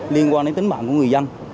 liên quan đến tính mạng của người dân